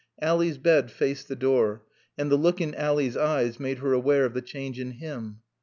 Ally's bed faced the door, and the look in Ally's eyes made her aware of the change in him.